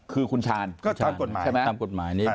คือคุณชาญก็ตามกฎหมาย